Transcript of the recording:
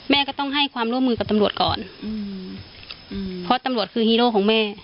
แม่ก็ต้องให้ความร่วมมือกับตำรวจก่อนอืมเพราะตำรวจคือฮีโร่ของแม่